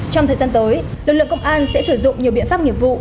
trong thời gian tới lực lượng công an sẽ sử dụng nhiều biện pháp nghiệp vụ